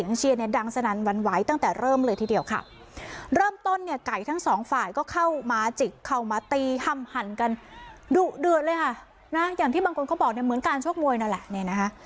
อย่างที่บางคนเขาบอกเนี่ยเหมือนการชกมวยนั่นแหละเนี่ยนะคะ